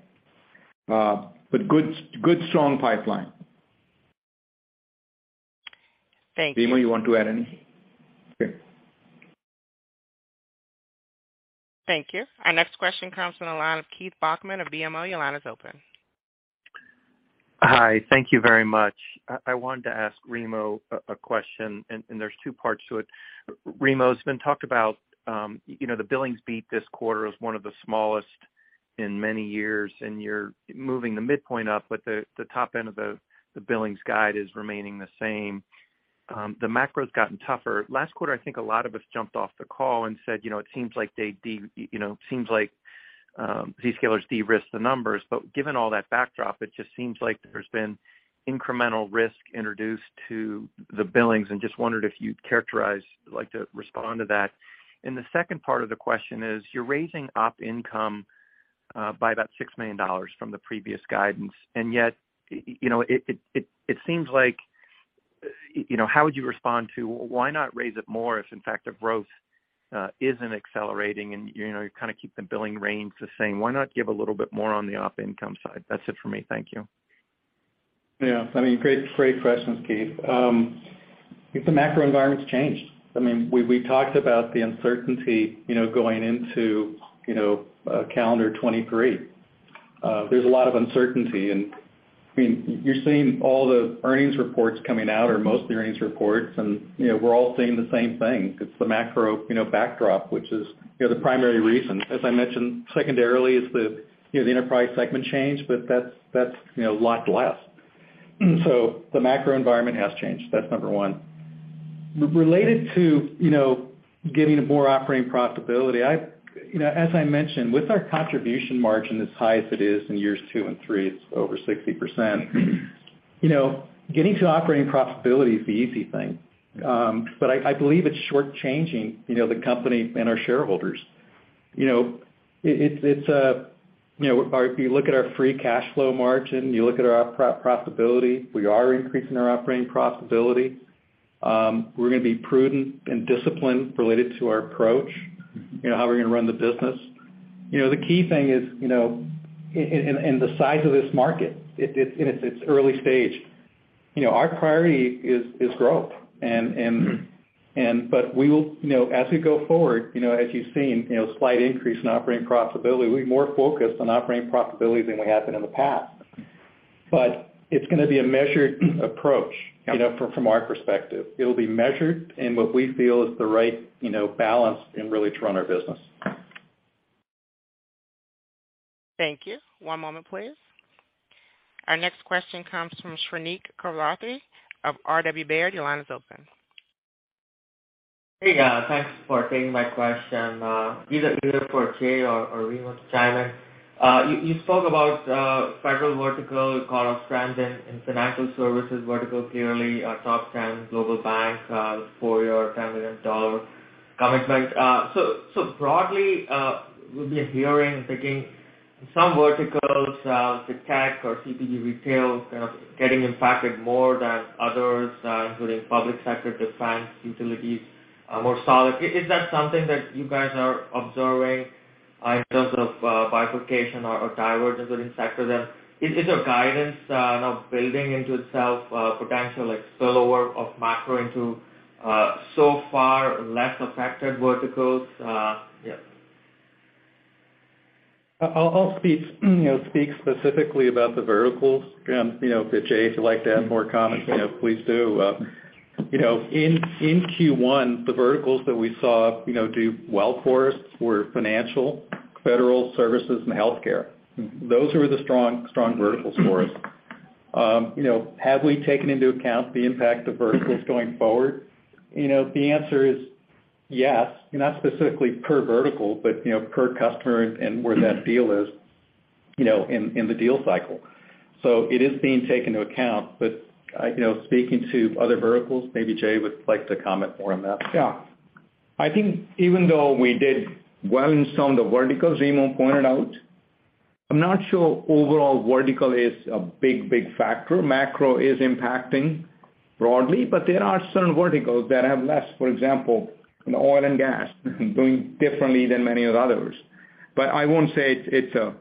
good strong pipeline. Thank you. Remo, you want to add any? Okay. Thank you. Our next question comes from the line of Keith Bachman of BMO. Your line is open. Hi. Thank you very much. I wanted to ask Remo a question, and there's two parts to it. Remo, it's been talked about, you know, the billings beat this quarter is one of the smallest in many years, and you're moving the midpoint up, but the top end of the billings guide is remaining the same. The macro's gotten tougher. Last quarter, I think a lot of us jumped off the call and said, you know, it seems like Zscaler's de-risked the numbers. Given all that backdrop, it just seems like there's been incremental risk introduced to the billings, and just wondered if you'd characterize, like to respond to that. The second part of the question is, you're raising Op income by about $6 million from the previous guidance, and yet, you know, it seems like, you know, how would you respond to why not raise it more if in fact the growth isn't accelerating and, you know, you kind of keep the billing reins the same? Why not give a little bit more on the Op income side? That's it for me. Thank you. Yeah. I mean, great questions, Keith. I think the macro environment's changed. I mean, we talked about the uncertainty, you know, going into, you know, calendar 2023. There's a lot of uncertainty. I mean, you're seeing all the earnings reports coming out or most of the earnings reports and, you know, we're all seeing the same thing. It's the macro, you know, backdrop, which is, you know, the primary reason. As I mentioned secondarily is the, you know, the enterprise segment change, but that's, you know, a lot less. The macro environment has changed. That's number one. Related to, you know, getting to more operating profitability, you know, as I mentioned, with our contribution margin as high as it is in years two and three, it's over 60%, you know, getting to operating profitability is the easy thing. I believe it's short-changing, you know, the company and our shareholders. You know, it's a, you know, or if you look at our free cash flow margin, you look at our op profitability, we are increasing our operating profitability. We're gonna be prudent and disciplined related to our approach, you know, how we're gonna run the business. You know, the key thing is, you know, in the size of this market, it's in its early stage. You know, our priority is growth. We will, you know, as we go forward, you know, as you've seen, you know, slight increase in operating profitability, we're more focused on operating profitability than we have been in the past. It's gonna be a measured approach, you know, from our perspective. It'll be measured in what we feel is the right, you know, balance and really to run our business. Thank you. One moment, please. Our next question comes from Shrenik Kothari of RW Baird. Your line is open. Hey, thanks for taking my question. Either for Jay or Remo to chime in. You spoke about federal vertical call outs trends in financial services vertical, clearly a top 10 global bank for your $10 million commitment. Broadly, we'll be hearing, thinking some verticals, the tech or CPG retail kind of getting impacted more than others, including public sector, defense, utilities are more solid. Is that something that you guys are observing in terms of bifurcation or divergence in sector then? Is your guidance now building into itself potential like spillover of macro into so far less affected verticals? Yeah. I'll speak, you know, speak specifically about the verticals. You know, Jay, if you'd like to add more comments, you know, please do. You know, in Q1, the verticals that we saw, you know, do well for us were financial, federal services, and healthcare. Those were the strong verticals for us. You know, have we taken into account the impact of verticals going forward? You know, the answer is yes, not specifically per vertical, but you know, per customer and where that deal is, you know, in the deal cycle. It is being taken into account. You know, speaking to other verticals, maybe Jay would like to comment more on that. Yeah. I think even though we did well in some of the verticals Remo pointed out, I'm not sure overall vertical is a big factor. Macro is impacting broadly, but there are certain verticals that have less, for example, in oil and gas doing differently than many of the others. I won't say it's a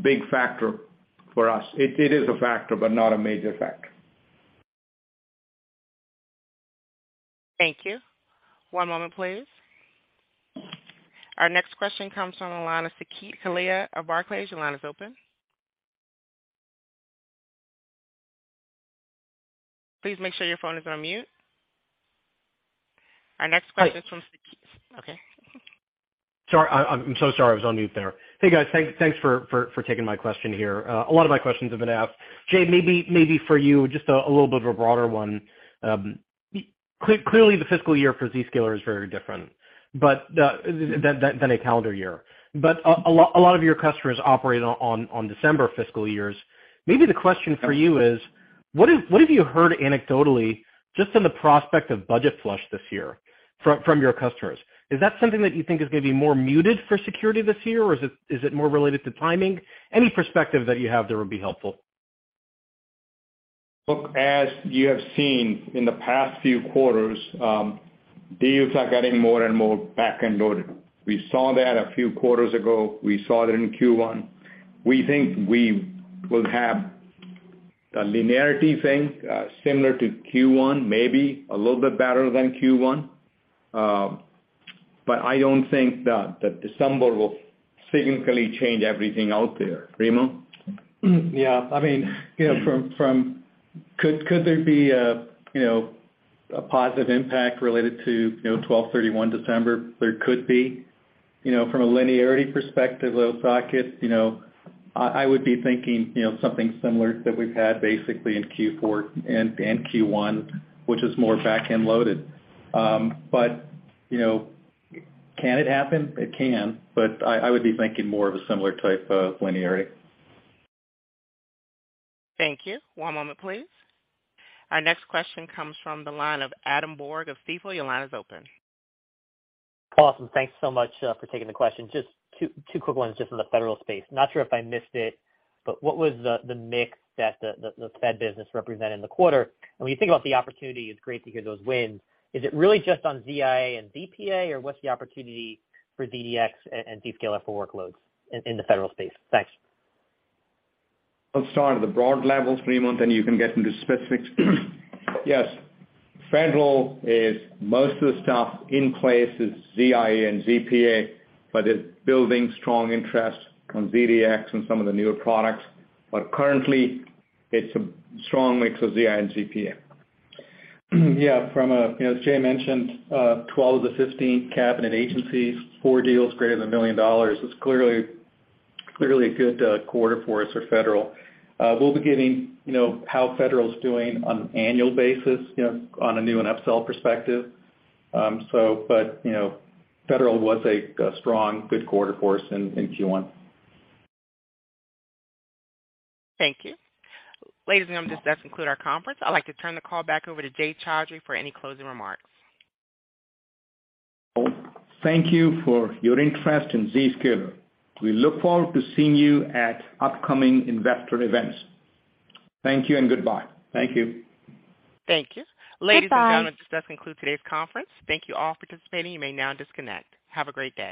big factor for us. It is a factor, but not a major factor. Thank you. One moment, please. Our next question comes from the line of Saket Kalia of Barclays. Your line is open. Please make sure your phone is unmute. Hi. Is from Saket. Okay. Sorry. I'm so sorry. I was on mute there. Hey, guys. Thanks for taking my question here. A lot of my questions have been asked. Jay, maybe for you, just a little bit of a broader one. Clearly, the fiscal year for Zscaler is very different, but than a calendar year. A lot of your customers operate on December fiscal years. Maybe the question for you is: What have you heard anecdotally, just on the prospect of budget flush this year from your customers? Is that something that you think is gonna be more muted for security this year, or is it more related to timing? Any perspective that you have there would be helpful. Look, as you have seen in the past few quarters, deals are getting more and more back-end loaded. We saw that a few quarters ago. We saw it in Q1. We think we will have a linearity thing similar to Q1, maybe a little bit better than Q1. I don't think that that December will significantly change everything out there. Remo? Yeah. I mean, you know, from. Could there be a, you know, a positive impact related to, you know, twelve thirty-one December? There could be. You know, from a linearity perspective, though, Saket, you know, I would be thinking, you know, something similar that we've had basically in Q4 and Q1, which is more back-end loaded. You know, can it happen? It can, but I would be thinking more of a similar type of linearity. Thank you. One moment, please. Our next question comes from the line of Adam Borg of Stifel. Your line is open. Awesome. Thanks so much for taking the question. Just two quick ones just in the federal space. Not sure if I missed it, but what was the mix that the Fed business represented in the quarter? When you think about the opportunity, it's great to hear those wins. Is it really just on ZIA and ZPA, or what's the opportunity for ZDX and Zscaler for Workloads in the federal space? Thanks. I'll start at the broad levels, Remo. You can get into specifics. Yes. Federal is most of the stuff in place is ZIA and ZPA. It's building strong interest on ZDX and some of the newer products. Currently, it's a strong mix of ZIA and ZPA. Yeah. From a, you know, as Jay mentioned, 12 of the 15 cabinet agencies, four deals greater than $1 million. It's clearly a good quarter for us for federal. We'll be giving, you know, how federal's doing on an annual basis, you know, on a new and upsell perspective. You know, federal was a strong, good quarter for us in Q1. Thank you. Ladies and gentlemen, this does conclude our conference. I'd like to turn the call back over to Jay Chaudhry for any closing remarks. Thank you for your interest in Zscaler. We look forward to seeing you at upcoming investor events. Thank you and goodbye. Thank you. Thank you. Goodbye. Ladies and gentlemen, this does conclude today's conference. Thank you all for participating. You may now disconnect. Have a great day.